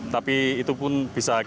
tapi itu pun bisa kita aturkan